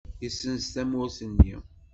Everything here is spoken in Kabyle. Yessenz tawwurt-nni.